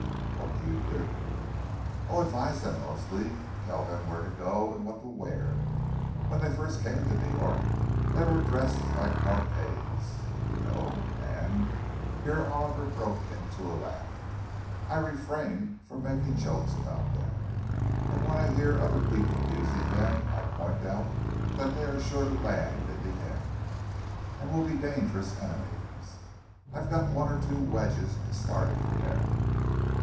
"What do you do?" "Oh, advise them, mostly—tell them where to go and what to wear. When they first came to New York, they were dressed like paraquets, you know. And"—here Oliver broke into a laugh—"I refrain from making jokes about them. And when I hear other people abusing them, I point out that they are sure to land in the end, and will be dangerous enemies. I've got one or two wedges started for them."